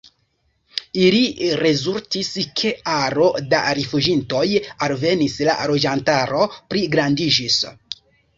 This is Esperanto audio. Ili rezultis, ke aro da rifuĝintoj alvenis, la loĝantaro pligrandiĝis.